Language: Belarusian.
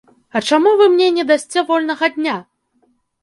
А чаму вы мне не дасце вольнага дня?